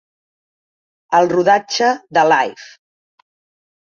El rodatge de Live!